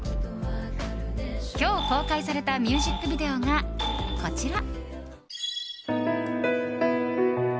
今日公開されたミュージックビデオが、こちら。